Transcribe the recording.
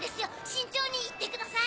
慎重にいってください。